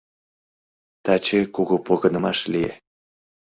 Таче кугу погынымаш лие.